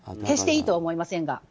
決していいとは思いませんが。